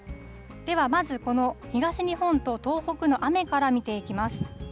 では、まず、この東日本と東北の雨から見ていきます。